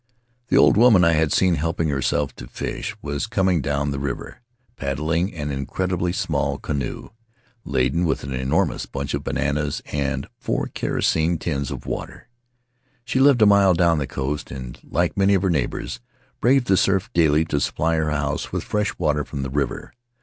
The old woman I had seen helping herself to fish was coming down the river, paddling an incredibly In the Valley of Vaitia small canoe, laden with an enormous bunch of bananas and four kerosene tins of water. She lived a mile down the coast and, like many of her neighbors, braved the surf daily to supply her house with fresh water from the river.